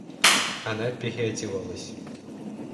Она переодевалась.